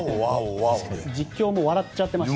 実況も笑っちゃってました。